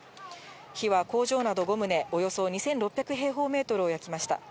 火は工場など５棟、およそ２６００平方メートルを焼きました。